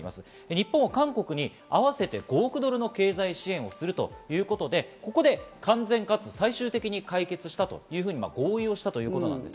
日本は韓国に合わせて５億ドルの経済支援をするということで完全かつ最終的に解決したと合意をしたということです。